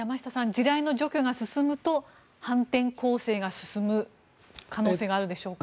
地雷の除去が進むと反転攻勢が進む可能性があるでしょうか。